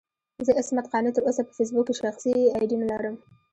زه عصمت قانع تر اوسه په فېسبوک کې شخصي اې ډي نه لرم.